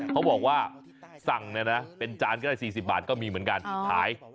เขาบอกว่าสั่งเนี่ยนะเป็นจานก็ได้๔๐บาทก็มีเหมือนกันขาย